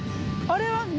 あれは。